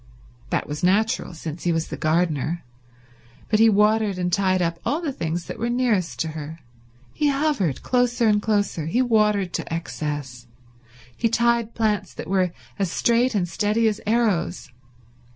That was natural, since he was the gardener, but he watered and tied up all the things that were nearest to her; he hovered closer and closer; he watered to excess; he tied plants that were as straight and steady as arrows.